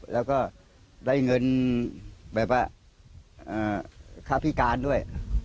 แล้วก็ได้เงินแบบว่าค่าพิการด้วย